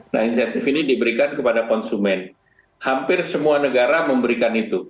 nah insentif ini diberikan kepada konsumen hampir semua negara memberikan itu